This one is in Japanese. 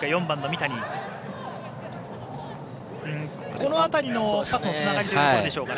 この辺りの縦のつながりというところでしょうか。